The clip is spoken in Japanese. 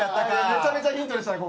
「めちゃめちゃヒントでしたね